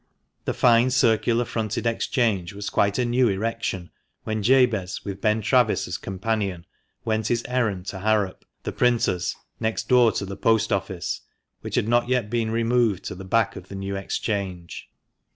The fine circular fronted Exchange was quite a new erection when Jabez, with Ben Travis as companion, went his errand to Harrop, the printer's, next door to the Post Office, which had not yet been removed to the back of the new Exchange.